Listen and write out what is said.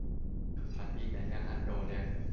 可傳遞能量和動量